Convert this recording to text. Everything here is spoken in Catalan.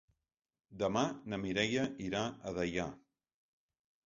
Demà na Mireia irà a Deià.